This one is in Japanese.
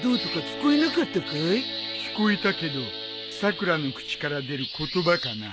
聞こえたけどさくらの口から出る言葉かな？